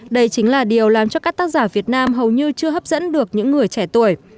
đây chính là điều làm cho các tác giả việt nam hầu như chưa hấp dẫn được những người trẻ tuổi